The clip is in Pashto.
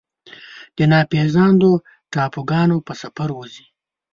د ناپیژاندو ټاپوګانو په سفر وځي